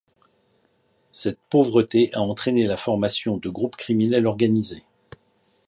Cette pauvreté a entraîné la formation de groupes criminels organisés.